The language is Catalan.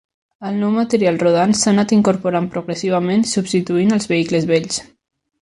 El nou material rodant s'ha anat incorporant progressivament, substituint els vehicles vells.